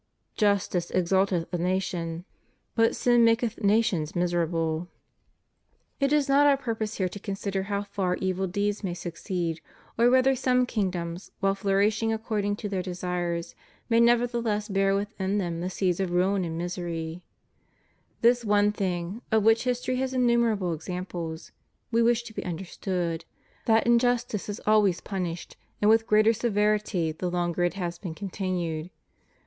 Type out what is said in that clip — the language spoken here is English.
Justice exalteth a nation; but ain maketh »St Bern., De ConsiA, iv. 2. THE RIGHT ORDERING OF CHRISTIAN LIFE. 177 nations miserable} It is not our purpose here to consider how far evil deeds may succeed, or whether some king doms, while flourishing according to their desires, may nevertheless bear within them the seeds of ruin and misery. This one thing, of which history has innumerable ex amples, We wish to be understood, that injustice is always punished, and with greater severity the longer it has been continued.